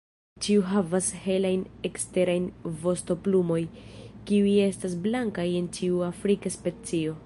Ĉiu havas helajn eksterajn vostoplumojn, kiuj estas blankaj en ĉiu afrika specio.